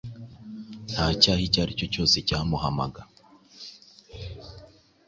Nta cyaha icyo ari cyo cyose cyamuhamaga